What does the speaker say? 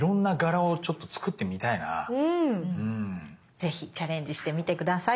ぜひチャレンジしてみて下さい。